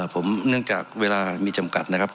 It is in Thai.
ผมเนื่องจากเวลามีจำกัดนะครับ